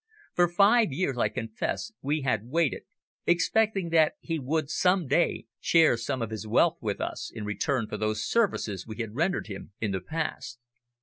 For five years, I confess, we had waited, expecting that he would some day share some of his wealth with us in return for those services we had rendered him in the past.